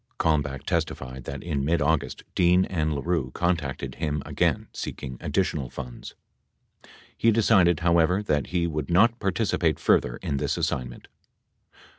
94 Kalmbach testified that in mid August Dean and LaRue contacted him again seeking additional funds. He decided, however, that he would not participate further in this assignment.